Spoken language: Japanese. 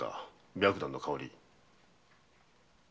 白檀の香り。